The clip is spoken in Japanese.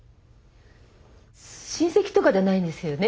親戚とかではないんですよね。